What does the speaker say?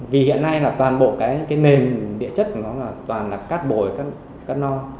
vì hiện nay là toàn bộ cái nền địa chất nó toàn là cát bồi cát non